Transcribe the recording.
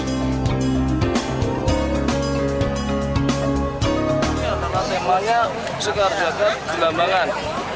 tema tema jagad belambangan